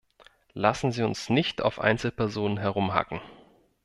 Lassen Sie uns nicht auf Einzelpersonen herumhacken.